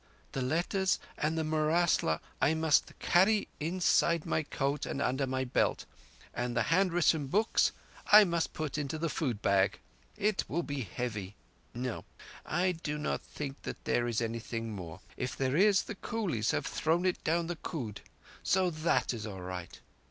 "The letters and the murasla I must carry inside my coat and under my belt, and the hand written books I must put into the food bag. It will be very heavy. No. I do not think there is anything more. If there is, the coolies have thrown it down the khud, so thatt is all right.